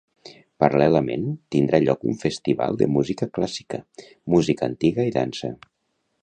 Paral·lelament, tindrà lloc un festival de música clàssica, música antiga i dansa.